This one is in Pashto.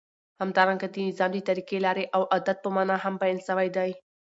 همدارنګه د نظام د طریقی، لاری او عادت په معنی هم بیان سوی دی.